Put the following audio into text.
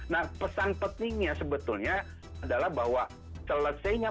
nah pesan pentingnya sebetulnya adalah bahwa selesainya